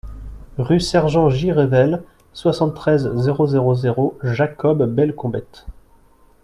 Rue Sergent J-Revel, soixante-treize, zéro zéro zéro Jacob-Bellecombette